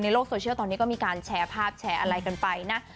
โลกโซเชียลตอนนี้ก็มีการแชร์ภาพแชร์อะไรกันไปนะ